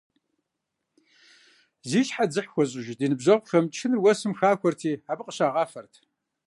Зи щхьэ дзыхь хуэзыщӏыж ди ныбжьэгъухэм чыныр уэсым хахуэрти, абы къыщагъафэрт.